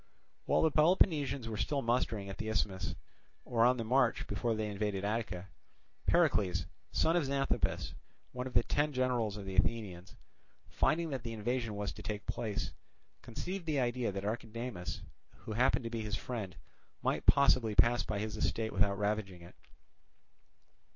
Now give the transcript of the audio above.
While the Peloponnesians were still mustering at the Isthmus, or on the march before they invaded Attica, Pericles, son of Xanthippus, one of the ten generals of the Athenians, finding that the invasion was to take place, conceived the idea that Archidamus, who happened to be his friend, might possibly pass by his estate without ravaging it.